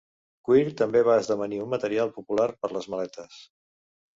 Cuir també va esdevenir un material popular per les maletes.